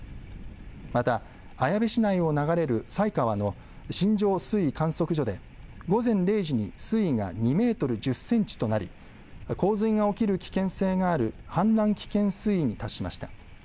また綾部市内を流れる犀川の新庄水位観測所で午前０時に水位が２メートル１０センチとなり、洪水が起きる危険性がある氾濫危険水位に達しました。